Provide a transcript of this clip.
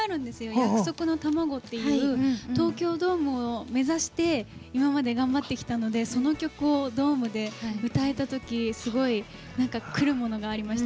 「約束のたまご」っていう東京ドームを目指して今まで頑張ってきたのでその曲をドームで歌えた時すごい、くるものがありました。